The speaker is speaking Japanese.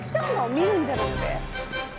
見るんじゃなくて？